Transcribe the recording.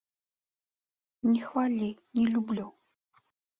Не хвалі, не люблю!